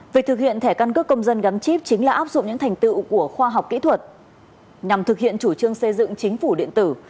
việc thực hiện thẻ căn cước công dân gắn chip chính là áp dụng những thành tựu của khoa học kỹ thuật nhằm thực hiện chủ trương xây dựng chính phủ điện tử